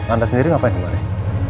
anda sendiri ngapain kemarin